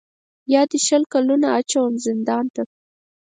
یا دي شل کلونه اچوم زندان ته